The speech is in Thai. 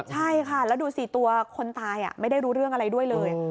ใช่ค่ะแล้วดูสิตัวคนตายไม่ได้รู้เรื่องอะไรด้วยเลย